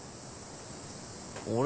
俺？